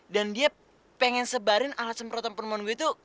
dan dia pengen sebarin alat semprotan penemuan gue tuh